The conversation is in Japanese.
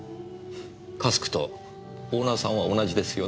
「Ｃａｓｋ」とオーナーさんは同じですよね？